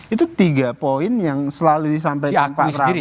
itu tiga poin yang selalu disampaikan pak prabowo